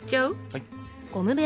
はい。